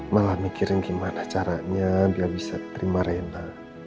malah mikirin gimana caranya dia bisa terima rena